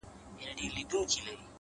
زما په لاس كي هتكړۍ داخو دلې ويـنـمـه ـ